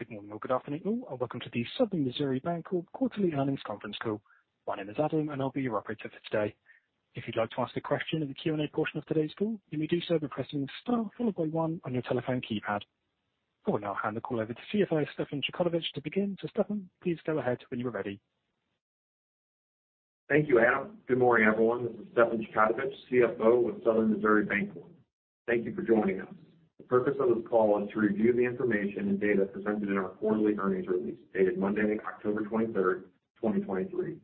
Good morning or good afternoon, and welcome to the Southern Missouri Bancorp Quarterly Earnings Conference Call. My name is Adam, and I'll be your operator for today. If you'd like to ask a question in the Q&A portion of today's call, you may do so by pressing star followed by one on your telephone keypad. I will now hand the call over to CFO, Stefan Chkautovich, to begin. Stefan, please go ahead when you are ready. Thank you, Adam. Good morning, everyone. This is Stefan Chkautovich, CFO with Southern Missouri Bancorp. Thank you for joining us. The purpose of this call is to review the information and data presented in our quarterly earnings release, dated Monday, October 23, 2023,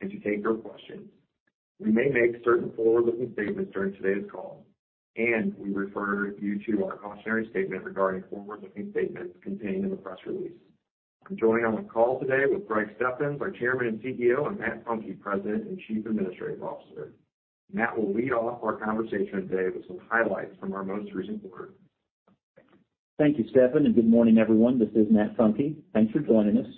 and to take your questions. We may make certain forward-looking statements during today's call, and we refer you to our cautionary statement regarding forward-looking statements contained in the press release. I'm joined on the call today with Greg Steffens, our Chairman and CEO, and Matt Funke, President and Chief Administrative Officer. Matt will lead off our conversation today with some highlights from our most recent quarter. Thank you, Stefan, and good morning, everyone. This is Matt Funke. Thanks for joining us.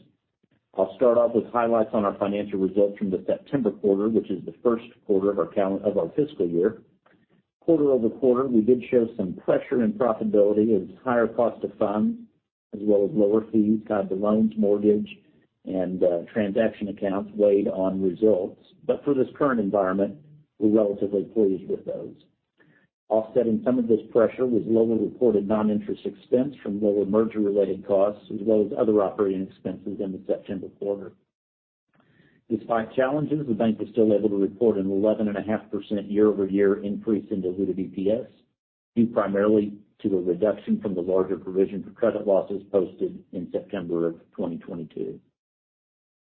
I'll start off with highlights on our financial results from the September quarter, which is the first quarter of our fiscal year. Quarter-over-quarter, we did show some pressure in profitability as higher cost of funds, as well as lower fees, got the loans, mortgage, and transaction accounts weighed on results. But for this current environment, we're relatively pleased with those. Offsetting some of this pressure was lower reported non-interest expense from lower merger-related costs, as well as other operating expenses in the September quarter. Despite challenges, the bank was still able to report an 11.5% year-over-year increase in diluted EPS, due primarily to a reduction from the larger provision for credit losses posted in September of 2022.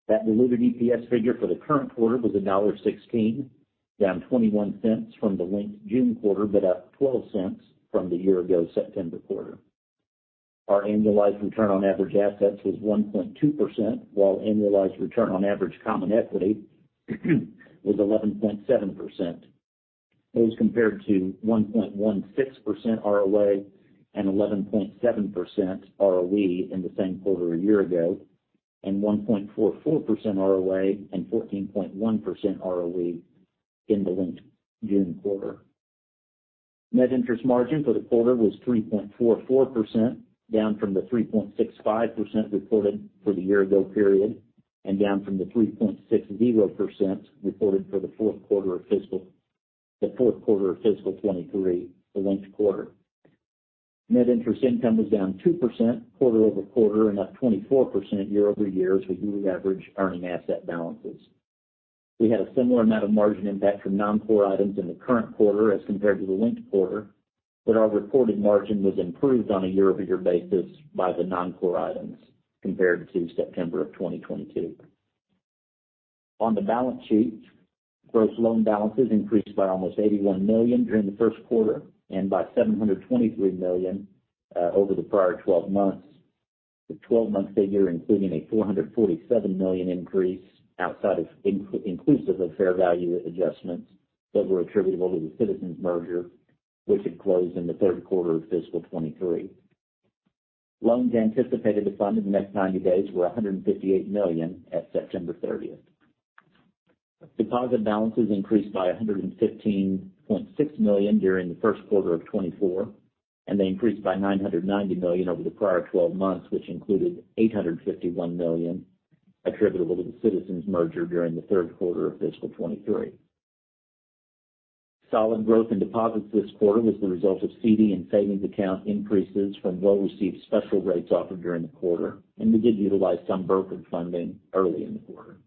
That diluted EPS figure for the current quarter was $1.16, down $0.21 from the linked June quarter, but up $0.12 from the year ago September quarter. Our annualized return on average assets was 1.2%, while annualized return on average common equity was 11.7%. Those compared to 1.16% ROA and 11.7% ROE in the same quarter a year ago, and 1.44% ROA and 14.1% ROE in the linked June quarter. Net interest margin for the quarter was 3.44%, down from the 3.65% reported for the year ago period and down from the 3.60% reported for the fourth quarter of fiscal 2023, the linked quarter. Net interest income was down 2% quarter-over-quarter and up 24% year-over-year as we newly average earning asset balances. We had a similar amount of margin impact from non-core items in the current quarter as compared to the linked quarter, but our reported margin was improved on a year-over-year basis by the non-core items compared to September of 2022. On the balance sheet, gross loan balances increased by almost $81 million during the first quarter and by $723 million over the prior 12 months. The 12-month figure, including a $447 million increase inclusive of fair value adjustments that were attributable to the Citizens merger, which had closed in the third quarter of fiscal 2023. Loans anticipated to fund in the next 90 days were $158 million at September 30. Deposit balances increased by $115.6 million during the first quarter of 2024, and they increased by $990 million over the prior 12 months, which included $851 million attributable to the Citizens merger during the third quarter of fiscal 2023. Solid growth in deposits this quarter was the result of CD and savings account increases from well-received special rates offered during the quarter, and we did utilize some brokered funding early in the quarter.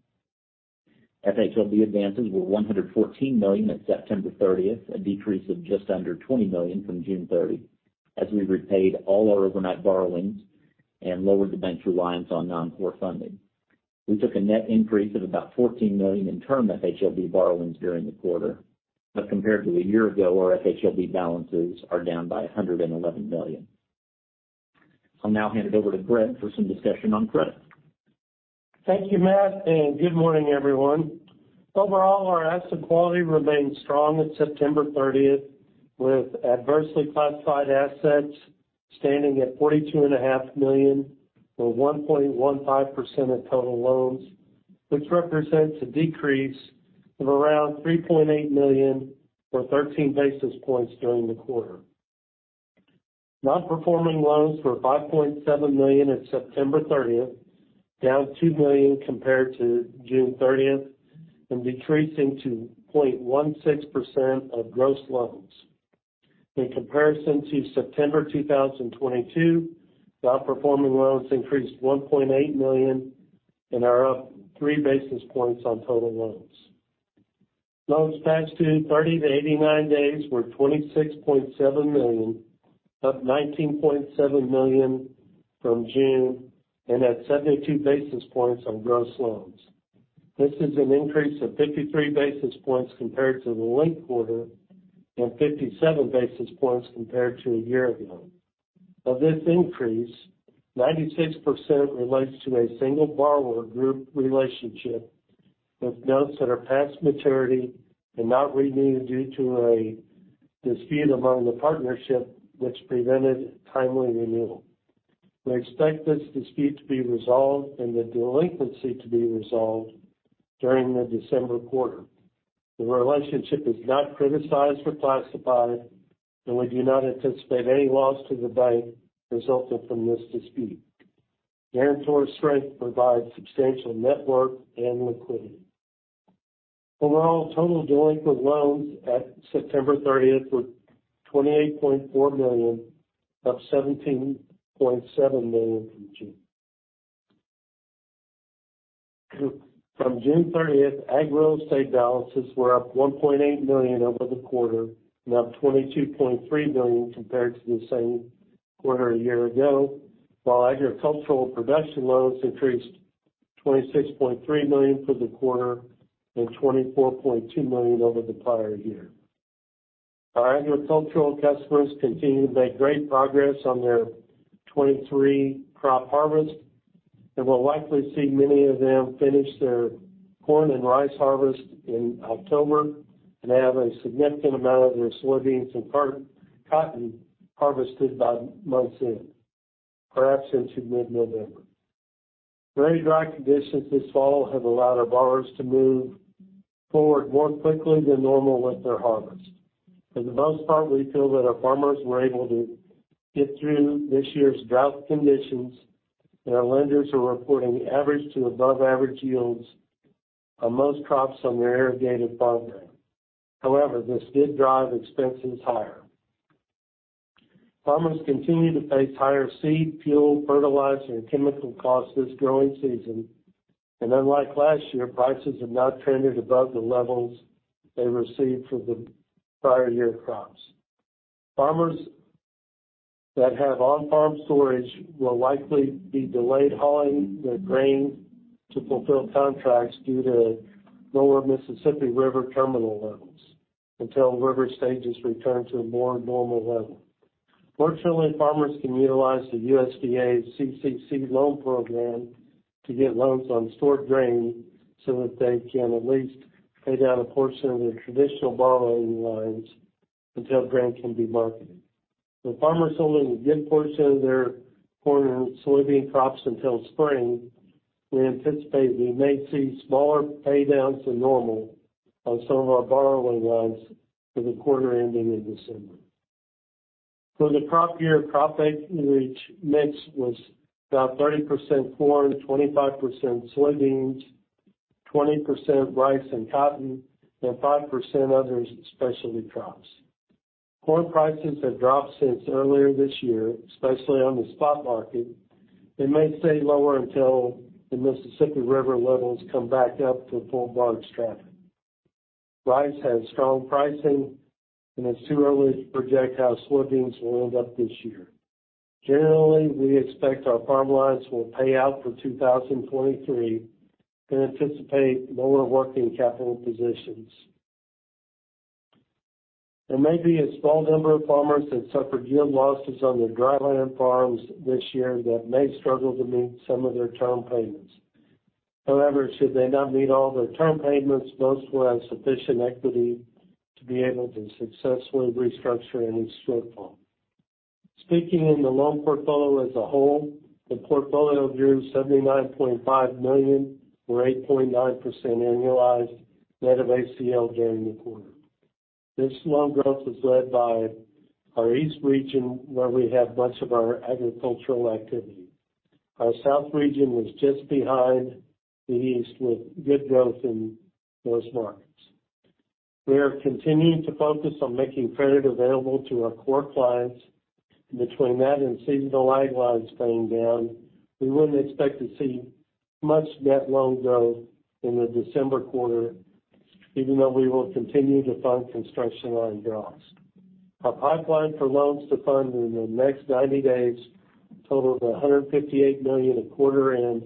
FHLB advances were $114 million at September 30, a decrease of just under $20 million from June 30, as we repaid all our overnight borrowings and lowered the bank's reliance on non-core funding. We took a net increase of about $14 million in term FHLB borrowings during the quarter, but compared to a year ago, our FHLB balances are down by $111 million. I'll now hand it over to Greg for some discussion on credit. Thank you, Matt, and good morning, everyone. Overall, our asset quality remained strong at September 30, with adversely classified assets standing at $42.5 million, or 1.15% of total loans, which represents a decrease of around $3.8 million, or 13 basis points during the quarter. Non-performing loans were $5.7 million at September 30, down $2 million compared to June 30, and decreasing to 0.16% of gross loans. In comparison to September 2022, non-performing loans increased $1.8 million and are up 3 basis points on total loans. Loans past due 30-89 days were $26.7 million, up $19.7 million from June, and at 72 basis points on gross loans. This is an increase of 53 basis points compared to the linked quarter and 57 basis points compared to a year ago. Of this increase, 96% relates to a single borrower group relationship with notes that are past maturity and not renewed due to a dispute among the partnership which prevented timely renewal. We expect this dispute to be resolved and the delinquency to be resolved during the December quarter. The relationship is not criticized or classified, and we do not anticipate any loss to the bank resulting from this dispute. Guarantor's strength provides substantial net worth and liquidity. Overall, total delinquent loans at September 30 were $28.4 million, up $17.7 million from June. From June 30, ag real estate balances were up $1.8 million over the quarter, and up $22.3 million compared to the same quarter a year ago, while agricultural production loans increased $26.3 million for the quarter and $24.2 million over the prior year. Our agricultural customers continue to make great progress on their 2023 crop harvest, and we'll likely see many of them finish their corn and rice harvest in October, and have a significant amount of their soybeans and cotton harvested by month's end, perhaps into mid-November. Very dry conditions this fall have allowed our borrowers to move forward more quickly than normal with their harvest. For the most part, we feel that our farmers were able to get through this year's drought conditions, and our lenders are reporting average to above average yields on most crops on their irrigated farmland. However, this did drive expenses higher. Farmers continue to face higher seed, fuel, fertilizer, and chemical costs this growing season, and unlike last year, prices have not traded above the levels they received for the prior year crops. Farmers that have on-farm storage will likely be delayed hauling their grain to fulfill contracts due to lower Mississippi River terminal levels, until river stages return to a more normal level. Fortunately, farmers can utilize the USDA's CCC Loan Program to get loans on stored grain, so that they can at least pay down a portion of their traditional borrowing lines until grain can be marketed. If farmers hold a good portion of their corn and soybean crops until spring, we anticipate we may see smaller pay downs than normal on some of our borrowing lines for the quarter ending in December. For the crop year, crop aggregate mix was about 30% corn, 25% soybeans, 20% rice and cotton, and 5% other specialty crops. Corn prices have dropped since earlier this year, especially on the spot market. They may stay lower until the Mississippi River levels come back up to full barge traffic. Rice has strong pricing, and it's too early to project how soybeans will end up this year. Generally, we expect our farm loans will pay out for 2023 and anticipate lower working capital positions. There may be a small number of farmers that suffered yield losses on their dry land farms this year that may struggle to meet some of their term payments. However, should they not meet all their term payments, most will have sufficient equity to be able to successfully restructure any shortfall. Speaking in the loan portfolio as a whole, the portfolio grew $79.5 million, or 8.9% annualized, net of ACL during the quarter. This loan growth was led by our East region, where we have much of our agricultural activity. Our South region was just behind the East, with good growth in those markets. We are continuing to focus on making credit available to our core clients. Between that and seasonal ag lines paying down, we wouldn't expect to see much net loan growth in the December quarter, even though we will continue to fund construction line draws. Our pipeline for loans to fund in the next 90 days total of $158 million a quarter-end,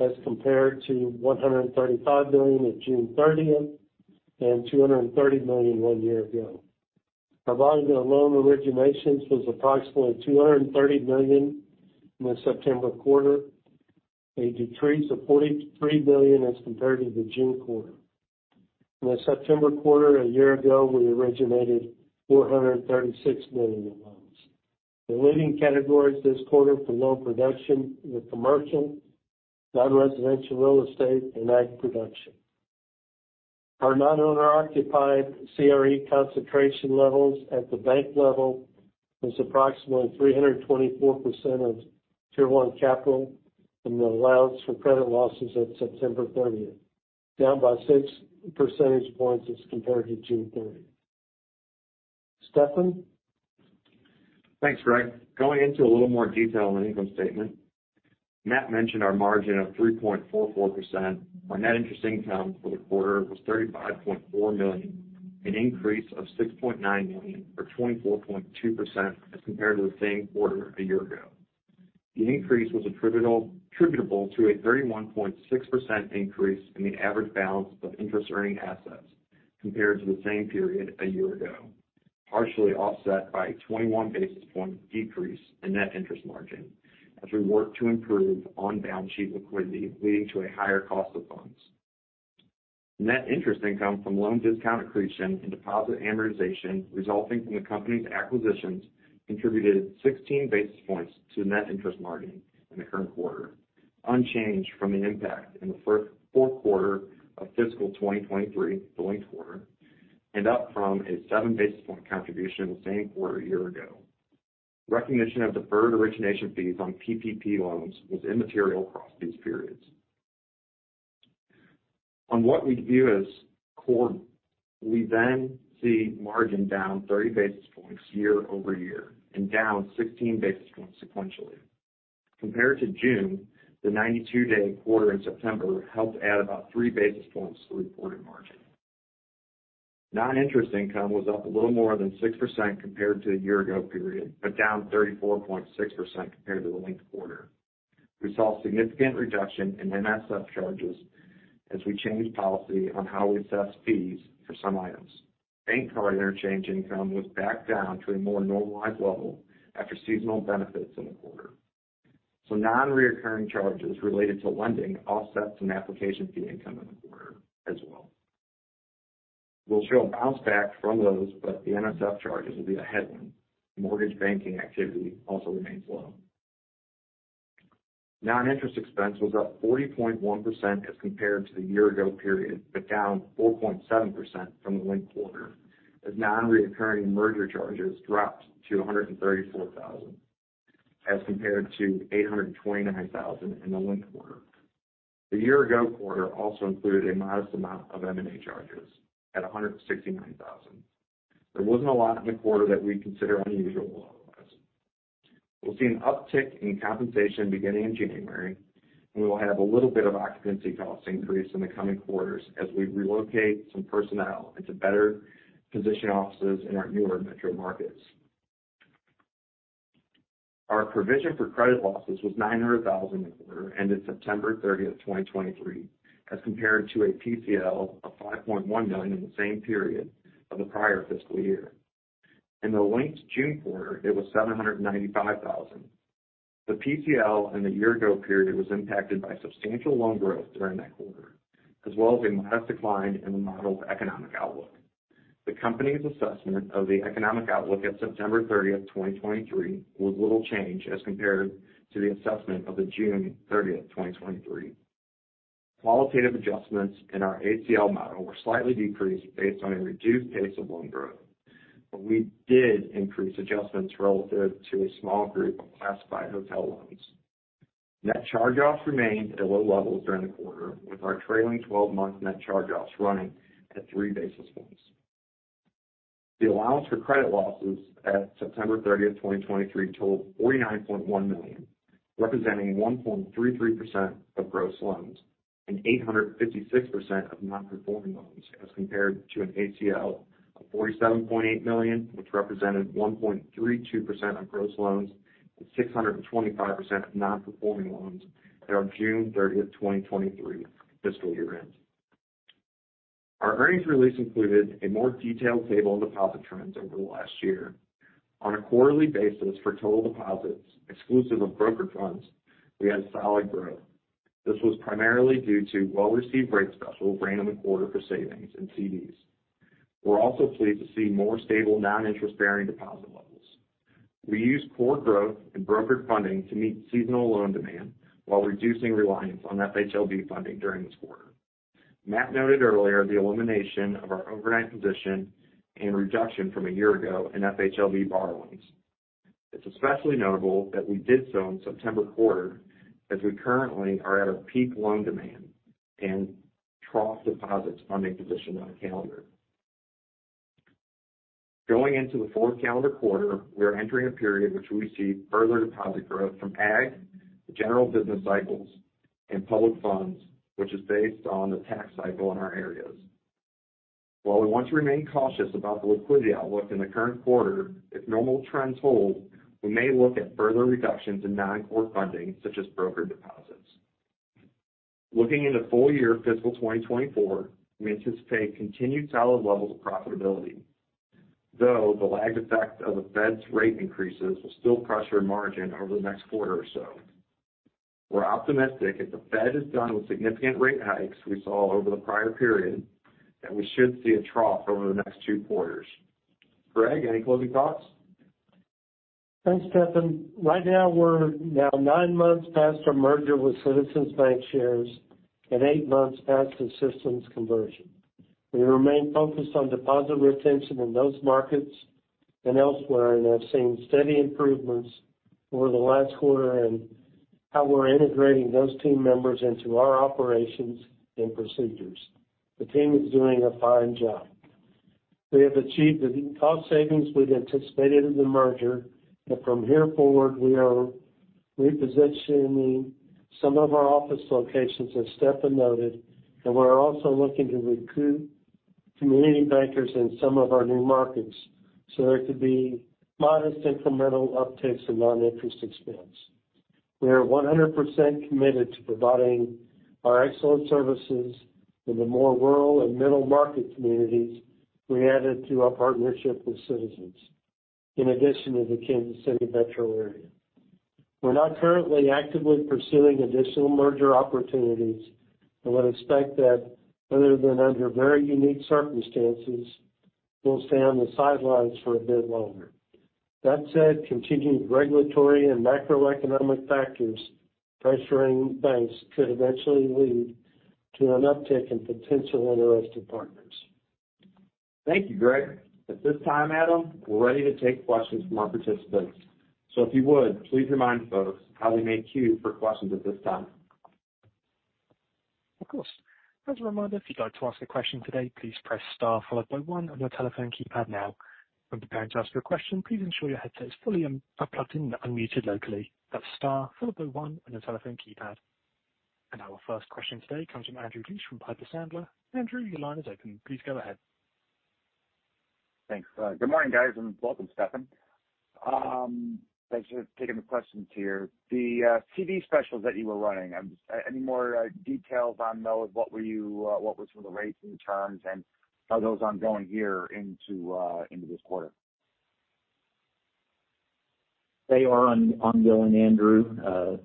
as compared to $135 million at June 30, and $230 million one year ago. Our volume of loan originations was approximately $230 million in the September quarter, a decrease of $43 million as compared to the June quarter. In the September quarter a year ago, we originated $436 million in loans. The leading categories this quarter for loan production were commercial, non-residential real estate, and ag production. Our non-owner occupied CRE concentration levels at the bank level was approximately 324% of Tier 1 Capital, and the allowance for credit losses at September 30, down by 6 percentage points as compared to June 30. Stefan? Thanks, Greg. Going into a little more detail on the income statement, Matt mentioned our margin of 3.44% on net interest income for the quarter was $35.4 million, an increase of $6.9 million, or 24.2%, as compared to the same quarter a year ago. The increase was attributable to a 31.6% increase in the average balance of interest-earning assets compared to the same period a year ago, partially offset by a 21 basis point decrease in net interest margin as we work to improve on-balance sheet liquidity, leading to a higher cost of funds. Net interest income from loan discount accretion and deposit amortization resulting from the company's acquisitions contributed 16 basis points to net interest margin in the current quarter.... unchanged from the impact in the first quarter of fiscal 2023, the linked quarter, and up from a 7 basis point contribution in the same quarter a year ago. Recognition of deferred origination fees on PPP loans was immaterial across these periods. On what we view as core, we then see margin down 30 basis points year-over-year and down 16 basis points sequentially. Compared to June, the 92-day quarter in September helped add about 3 basis points to the reported margin. Non-interest income was up a little more than 6% compared to the year ago period, but down 34.6% compared to the linked quarter. We saw a significant reduction in NSF charges as we changed policy on how we assess fees for some items. Bank card interchange income was back down to a more normalized level after seasonal benefits in the quarter. So non-recurring charges related to lending offset some application fee income in the quarter as well. We'll show a bounce back from those, but the NSF charges will be a headwind. Mortgage banking activity also remains low. Non-interest expense was up 40.1% as compared to the year ago period, but down 4.7% from the linked quarter, as non-recurring merger charges dropped to $134,000, as compared to $829,000 in the linked quarter. The year ago quarter also included a modest amount of M&A charges at $169,000. There wasn't a lot in the quarter that we'd consider unusual otherwise. We'll see an uptick in compensation beginning in January, and we will have a little bit of occupancy cost increase in the coming quarters as we relocate some personnel into better position offices in our newer metro markets. Our provision for credit losses was $900,000 in the quarter ended September 30, 2023, as compared to a PCL of $5.1 million in the same period of the prior fiscal year. In the linked June quarter, it was $795,000. The PCL in the year ago period was impacted by substantial loan growth during that quarter, as well as a modest decline in the modeled economic outlook. The company's assessment of the economic outlook at September 30, 2023, was little change as compared to the assessment of the June 30, 2023. Qualitative adjustments in our ACL model were slightly decreased based on a reduced pace of loan growth, but we did increase adjustments relative to a small group of classified hotel loans. Net charge-offs remained at low levels during the quarter, with our trailing 12-month net charge-offs running at 3 basis points. The allowance for credit losses at September 30, 2023, totaled $49.1 million, representing 1.33% of gross loans and 856% of non-performing loans, as compared to an ACL of $47.8 million, which represented 1.32% of gross loans and 625% of non-performing loans at our June 30, 2023, fiscal year end. Our earnings release included a more detailed table on deposit trends over the last year. On a quarterly basis for total deposits, exclusive of brokered funds, we had solid growth. This was primarily due to well-received rate specials ran in the quarter for savings and CDs. We're also pleased to see more stable, non-interest-bearing deposit levels. We used core growth and brokered funding to meet seasonal loan demand while reducing reliance on FHLB funding during this quarter. Matt noted earlier the elimination of our overnight position and reduction from a year ago in FHLB borrowings. It's especially notable that we did so in the September quarter, as we currently are at a peak loan demand and trough deposits funding position on the calendar. Going into the fourth calendar quarter, we are entering a period in which we see further deposit growth from ag, the general business cycles, and public funds, which is based on the tax cycle in our areas. While we want to remain cautious about the liquidity outlook in the current quarter, if normal trends hold, we may look at further reductions in non-core funding, such as brokered deposits. Looking into full year fiscal 2024, we anticipate continued solid levels of profitability, though the lagged effect of the Fed's rate increases will still pressure margin over the next quarter or so. We're optimistic if the Fed is done with significant rate hikes we saw over the prior period, and we should see a trough over the next two quarters. Greg, any closing thoughts? Thanks, Stefan. Right now, we're now 9 months past our merger with Citizens Bancshares and 8 months past the systems conversion. We remain focused on deposit retention in those markets and elsewhere, and I've seen steady improvements over the last quarter and how we're integrating those team members into our operations and procedures. The team is doing a fine job. We have achieved the cost savings we'd anticipated in the merger, and from here forward, we are repositioning some of our office locations, as Stefan noted, and we're also looking to recruit community bankers in some of our new markets, so there could be modest incremental upticks in non-interest expense. We are 100% committed to providing our excellent services in the more rural and middle market communities we added to our partnership with Citizens, in addition to the Kansas City metro area. We're not currently actively pursuing additional merger opportunities and would expect that, other than under very unique circumstances, we'll stay on the sidelines for a bit longer... That said, continued regulatory and macroeconomic factors pressuring banks could eventually lead to an uptick in potential interested partners. Thank you, Greg. At this time, Adam, we're ready to take questions from our participants. So if you would, please remind folks how they may queue for questions at this time. Of course. As a reminder, if you'd like to ask a question today, please press star followed by one on your telephone keypad now. When preparing to ask your question, please ensure your headset is fully plugged in and unmuted locally. That's star followed by one on your telephone keypad. And our first question today comes from Andrew Liesch from Piper Sandler. Andrew, your line is open. Please go ahead. Thanks. Good morning, guys, and welcome, Stefan. Thanks for taking the questions here. The CD specials that you were running, any more details on those? What was some of the rates and the terms, and are those ongoing here into this quarter? They are ongoing, Andrew.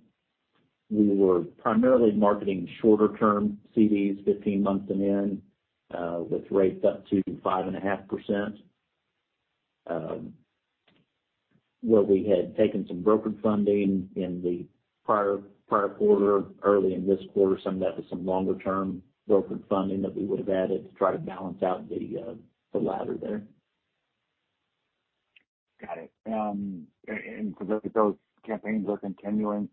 We were primarily marketing shorter-term CDs, 15 months and with rates up to 5.5%. Where we had taken some brokered funding in the prior quarter, early in this quarter, some of that was some longer-term brokered funding that we would have added to try to balance out the ladder there. Got it. And so those campaigns are continuing,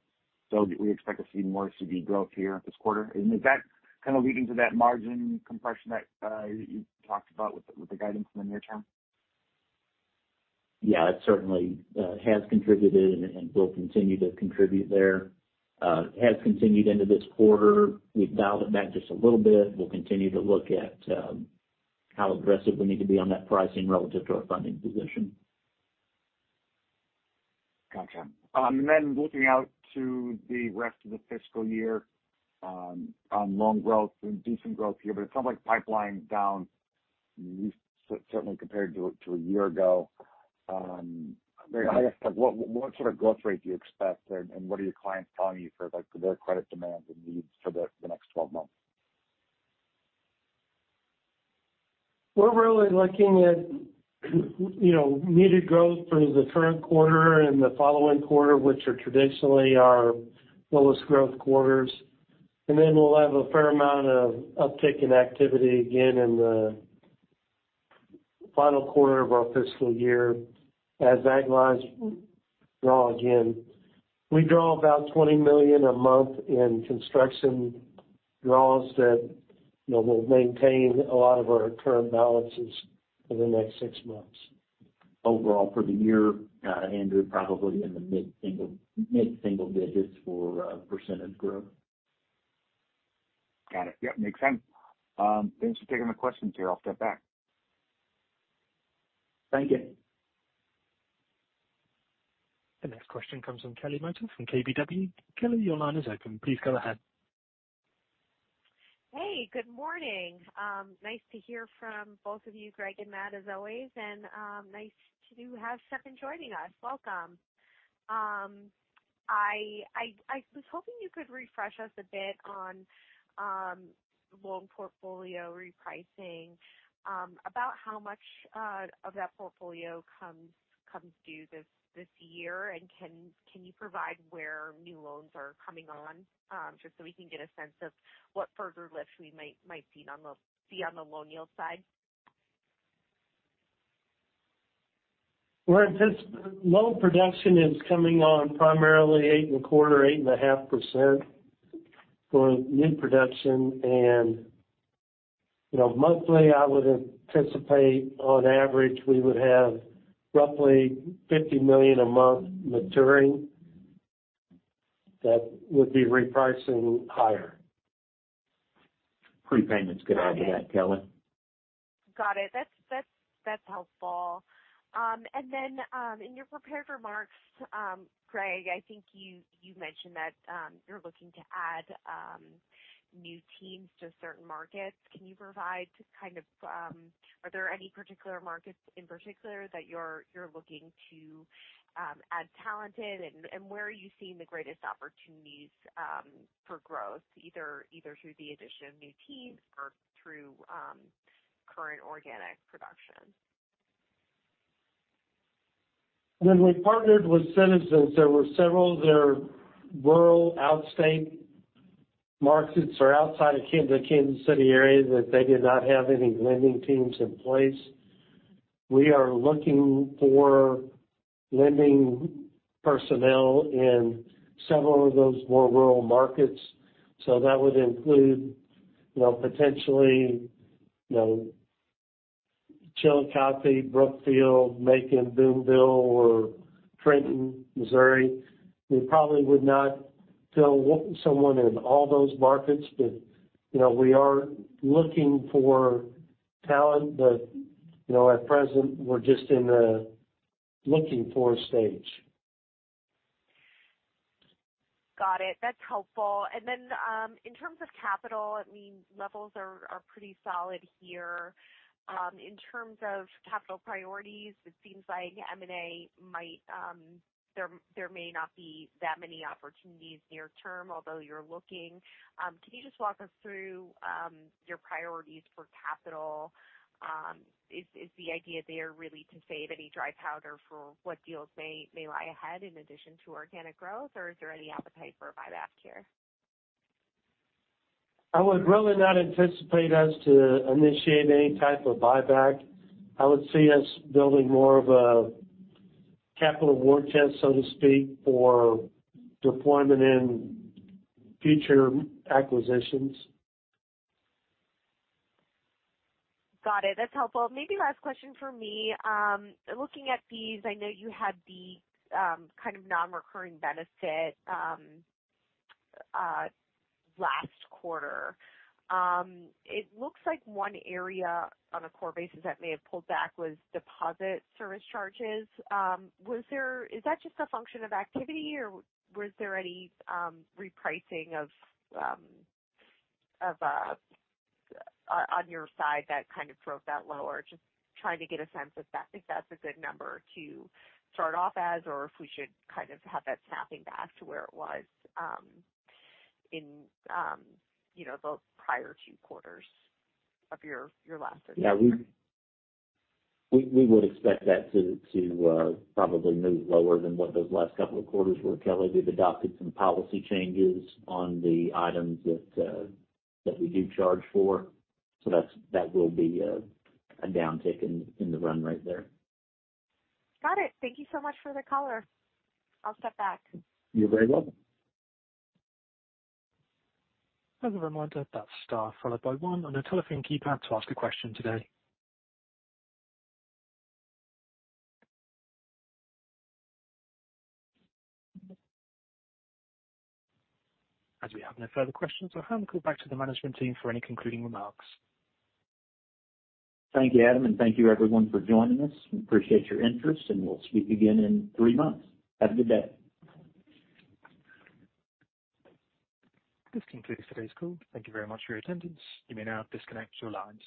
so do we expect to see more CD growth here this quarter? And is that kind of leading to that margin compression that you talked about with the guidance in the near term? Yeah, it certainly has contributed and will continue to contribute there. It has continued into this quarter. We've dialed it back just a little bit. We'll continue to look at how aggressive we need to be on that pricing relative to our funding position. Gotcha. And then looking out to the rest of the fiscal year, on loan growth and decent growth here, but it sounds like pipeline's down, you certainly compared to, to a year ago. I guess, like, what, what sort of growth rate do you expect, and, and what are your clients telling you for, like, their credit demands and needs for the, the next twelve months? We're really looking at, you know, needed growth through the current quarter and the following quarter, which are traditionally our lowest growth quarters. And then we'll have a fair amount of uptick in activity again in the final quarter of our fiscal year. As that lines draw again, we draw about $20 million a month in construction draws that, you know, will maintain a lot of our current balances for the next six months. Overall, for the year, Andrew, probably in the mid-single, mid-single digits for percentage growth. Got it. Yep, makes sense. Thanks for taking my questions here. I'll step back. Thank you. The next question comes from Kelly Motta from KBW. Kelly, your line is open. Please go ahead. Hey, good morning. Nice to hear from both of you, Greg and Matt, as always, and, nice to have Stefan joining us. Welcome. I was hoping you could refresh us a bit on loan portfolio repricing. About how much of that portfolio comes due this year? And can you provide where new loans are coming on, just so we can get a sense of what further lifts we might see on the loan yield side? Well, this loan production is coming on primarily 8.25%-8.5% for new production. And, you know, monthly, I would anticipate on average, we would have roughly $50 million a month maturing that would be repricing higher. Prepayments could add to that, Kelly. Got it. That's, that's, that's helpful. And then, in your prepared remarks, Greg, I think you mentioned that you're looking to add new teams to certain markets. Can you provide kind of, are there any particular markets in particular that you're looking to add talent in? And where are you seeing the greatest opportunities for growth, either through the addition of new teams or through current organic production? When we partnered with Citizens, there were several of their rural outstate markets or outside of Kansas City area, that they did not have any lending teams in place. We are looking for lending personnel in several of those more rural markets. That would include, you know, potentially, you know, Chillicothe, Brookfield, Macon, Boonville, or Trenton, Missouri. We probably would not tell what- someone in all those markets, but, you know, we are looking for talent, but, you know, at present, we're just in a looking for stage. Got it. That's helpful. And then, in terms of capital, I mean, levels are pretty solid here. In terms of capital priorities, it seems like M&A might, there may not be that many opportunities near term, although you're looking. Can you just walk us through your priorities for capital? Is the idea there really to save any dry powder for what deals may lie ahead in addition to organic growth, or is there any appetite for a buyback here? I would really not anticipate us to initiate any type of buyback. I would see us building more of a capital war chest, so to speak, for deployment in future acquisitions. Got it. That's helpful. Maybe last question for me. Looking at these, I know you had the kind of non-recurring benefit last quarter. It looks like one area on a core basis that may have pulled back was deposit service charges. Was there-- is that just a function of activity, or was there any repricing of on your side that kind of drove that lower? Just trying to get a sense if that, if that's a good number to start off as, or if we should kind of have that snapping back to where it was, in you know, the prior two quarters of your last third year. Yeah, we would expect that to probably move lower than what those last couple of quarters were, Kelly. We've adopted some policy changes on the items that we do charge for, so that will be a downtick in the run rate there. Got it. Thank you so much for the color. I'll step back. You're very welcome. As a reminder, that's star followed by 1 on your telephone keypad to ask a question today. As we have no further questions, I'll hand it back to the management team for any concluding remarks. Thank you, Adam, and thank you everyone for joining us. We appreciate your interest, and we'll speak again in three months. Have a good day. This concludes today's call. Thank you very much for your attendance. You may now disconnect your lines.